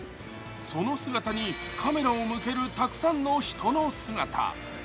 その姿にカメラを向けるたくさんの人の姿。